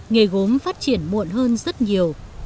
nghề gốm phát triển muộn hơn rất nhiều